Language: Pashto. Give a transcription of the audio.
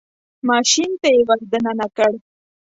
ماشین ته یې ور دننه کړ.